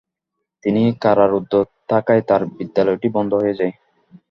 তিনি কারারুদ্ধ থাকায় তার বিদ্যালয়টি বন্ধ হয়ে যায়।